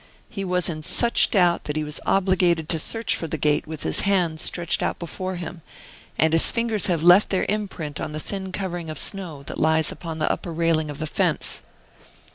He was in such doubt that he was obliged to search for the gate with his hand stretched out before him and his fingers have left their imprint on the thin covering of snow that lies upon the upper railing of the fence."